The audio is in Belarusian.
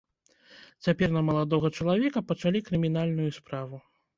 Цяпер на маладога чалавека пачалі крымінальную справу.